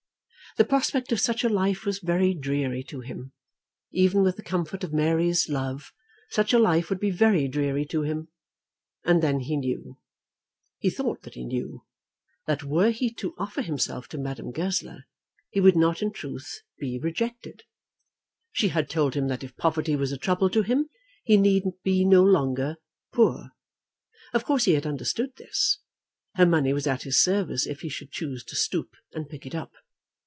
The prospect of such a life was very dreary to him. Even with the comfort of Mary's love such a life would be very dreary to him. And then he knew, he thought that he knew, that were he to offer himself to Madame Goesler he would not in truth be rejected. She had told him that if poverty was a trouble to him he need be no longer poor. Of course he had understood this. Her money was at his service if he should choose to stoop and pick it up.